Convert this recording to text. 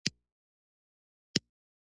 یوه د افریقا سلطنتي کمپنۍ وه.